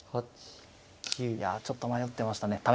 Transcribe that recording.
いやちょっと迷ってましたね